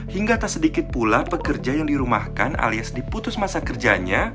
hingga tak sedikit pula pekerja yang dirumahkan alias diputus masa kerjanya